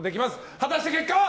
果たして、結果は？